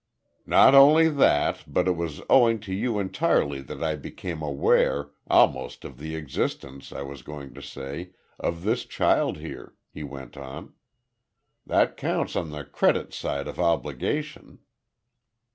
"Not only that, but it was owing to you entirely that I became aware almost of the existence, I was going to say of this child here," he went on. "That counts on the credit side of obligation."